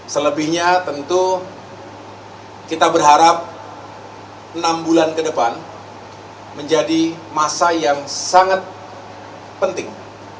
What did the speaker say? selebihnya tentu kita berharap enam bulan ke depan menjadi masa yang sangat penting